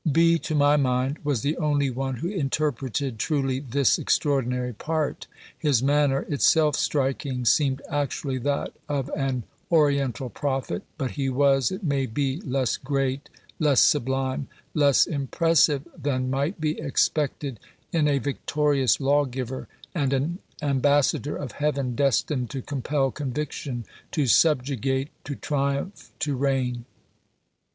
B., to my mind, was the only one who interpreted truly this extraordinary part. His manner, itself striking, seemed actually that of an oriental prophet, but he was, it may be, less great, less sublime, less impressive than might be expected in a victorious law giver and an ambassador of heaven destined to compel conviction, to subjugate, to triumph, to reign.